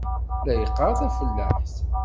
La yeqqar tafellaḥt.